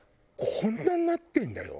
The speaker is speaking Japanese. こんなになってんだよ。